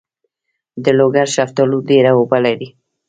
د لوګر شفتالو ډیر اوبه لري.